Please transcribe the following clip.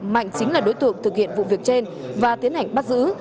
mạnh chính là đối tượng thực hiện vụ việc trên và tiến hành bắt giữ